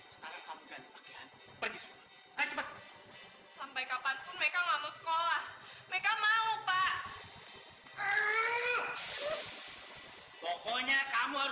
saya juga bersyukur